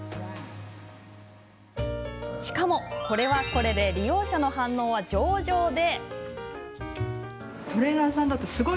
しかも、これはこれで利用者の反応は上々で。